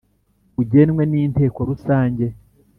ugenwe n Inteko Rusange